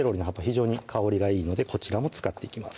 非常に香りがいいのでこちらも使っていきます